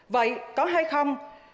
vậy có hay không